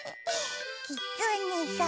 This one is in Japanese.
きつねさん！